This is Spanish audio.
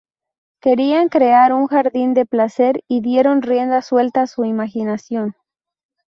Querían crear un jardín de placer y dieron rienda suelta a su imaginación.